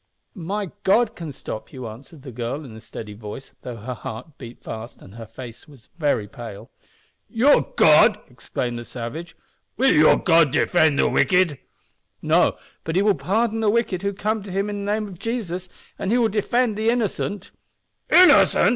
"My God can stop you," answered the girl, in a steady voice, though her heart beat fast and her face was very pale. "Your God!" exclaimed the savage. "Will your God defend the wicked?" "No, but He will pardon the wicked who come to Him in the name of Jesus, and He will defend the innocent." "Innocent!"